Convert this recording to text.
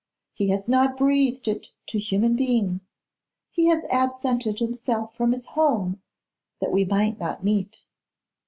He has not breathed it to human being. He has absented himself from his home, that we might not meet.